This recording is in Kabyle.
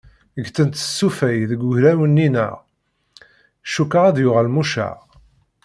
Ggtent tsufaɣ deg ugraw-nni-nneɣ, cukkeɣ ad yuɣal mucaɛ.